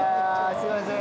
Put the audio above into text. すいません。